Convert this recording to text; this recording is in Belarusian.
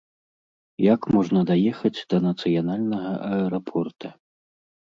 Як можна даехаць да нацыянальнага аэрапорта?